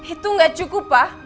itu gak cukup pa